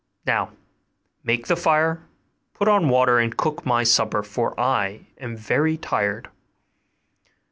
Now make the fire, and put on water and cook my supper, for I am very tired.